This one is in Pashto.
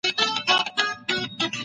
ده قومي اتحاد ته بلنه ورکوله